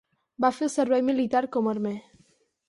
Va fer el servei militar com a armer.